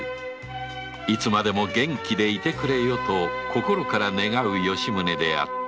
いつまでも元気でいてくれよと心から願う吉宗であった